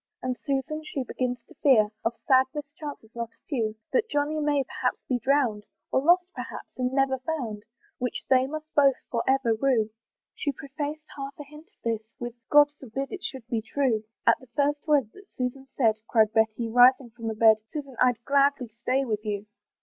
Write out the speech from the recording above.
And Susan she begins to fear Of sad mischances not a few, That Johnny may perhaps be drown'd, Or lost perhaps, and never found; Which they must both for ever rue. She prefaced half a hint of this With, "God forbid it should be true!" At the first word that Susan said Cried Betty, rising from the bed, "Susan, I'd gladly stay with you.